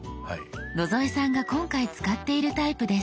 野添さんが今回使っているタイプです。